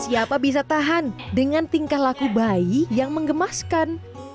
siapa bisa tahan dengan tingkah laku bayi yang mengemaskan